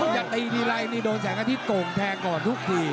อย่าตีทีใรนี้โดนแสงความที่โกงแทงก่อนทุกที